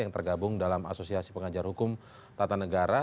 yang tergabung dalam asosiasi pengajar hukum tata negara